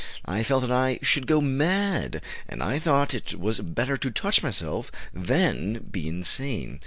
I felt that I should go mad, and I thought it was better to touch myself than be insane....